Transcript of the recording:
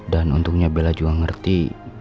dan untungnya bela juga ngerti